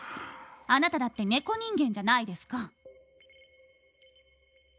あなただって猫人間じゃないですか。